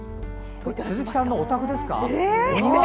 鈴木さんのお宅ですか。